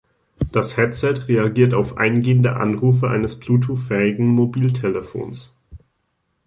Das Headset reagiert auf eingehende Anrufe eines Bluetooth-fähigens Mobiltelefons.